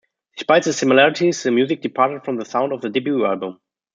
Despite the similarities, the music departed from the sound of the debut album.